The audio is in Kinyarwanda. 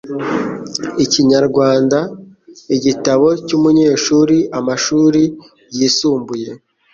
Ikinyarwanda Igitabo cy'umunyeshuri Amashuri yisumbuye